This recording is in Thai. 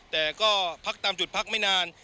แต่ก็พักตามจุดพักไม่นาน